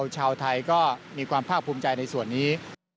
ชาวไทยก็มีความภาคภูมิใจในส่วนนี้